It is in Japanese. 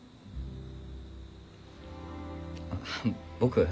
あ僕